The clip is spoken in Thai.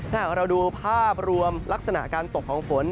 ถ้าหากเราดูภาพรวมลักษณะการตกของฝน